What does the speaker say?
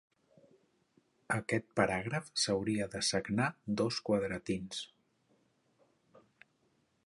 Aquest paràgraf s'hauria de sagnar dos quadratins.